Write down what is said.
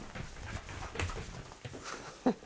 フフフフ！